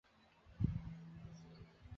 蓝胡卢巴为豆科胡卢巴属下的一个种。